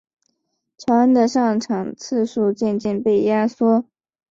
乔恩的上场次数渐渐被压缩。